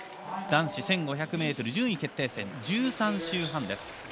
男子１５００ｍ順位決定戦１３周半です。